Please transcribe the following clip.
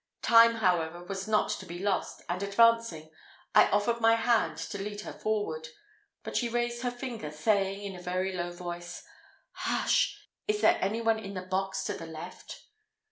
Time, however, was not to be lost, and advancing, I offered my hand to lead her forward; but she raised her finger, saying, in a very low voice, "Hush! Is there any one in the box to the left?"